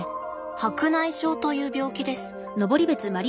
白内障という病気です。